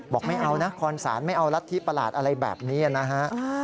ไม่เอานะคอนศาลไม่เอารัฐธิประหลาดอะไรแบบนี้นะฮะ